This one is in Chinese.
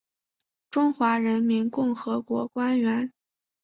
中华人民共和国官员。